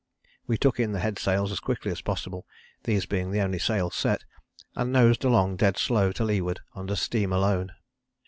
We took in the headsails as quickly as possible, these being the only sails set, and nosed along dead slow to leeward under steam alone.